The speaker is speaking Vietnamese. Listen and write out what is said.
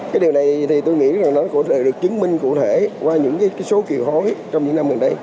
cái điều này thì tôi nghĩ rằng nó cũng sẽ được chứng minh cụ thể qua những số kiều hối trong những năm gần đây